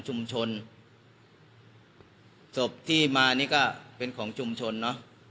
ศพที่มานี่ก็เป็นของชุมชนเนอะ